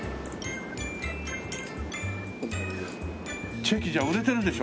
チェキじゃあ売れてるでしょ？